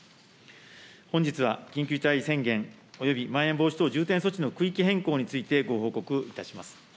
本日は緊急事態宣言およびまん延防止等重点措置の区域変更について、ご報告いたします。